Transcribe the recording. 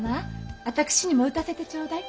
私にも撃たせてちょうだい。